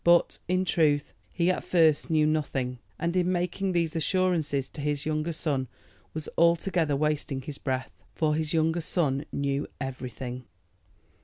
But, in truth, he at first knew nothing, and in making these assurances to his younger son was altogether wasting his breath, for his younger son knew everything.